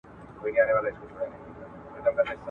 زه هغه يم چې تل ننګ په وطن خورمه